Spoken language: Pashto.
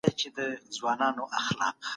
که په بازار کې خواړه تازه نه وي نو بد بوی کوي.